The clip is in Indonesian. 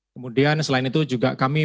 kemudian selain itu juga kami